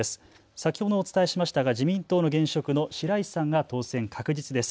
先ほどもお伝えしましたが自民党の現職の白石さんが当選確実です。